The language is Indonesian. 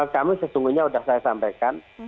kami sesungguhnya sudah saya sampaikan